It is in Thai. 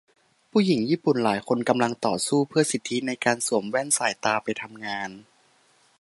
ผู้หญิงญี่ปุ่นหลายคนกำลังต่อสู้เพื่อสิทธิในการสวมแว่นสายตาไปทำงาน